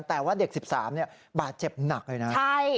แต่ว่าเด็กสิบสามเนี้ยบาดเจ็บหนักเลยนะใช่